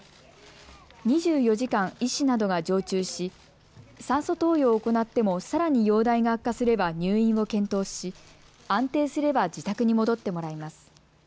２４時間、医師などが常駐し、酸素投与を行ってもさらに容体が悪化すれば入院を検討し、安定すれば自宅に戻ってもらいます。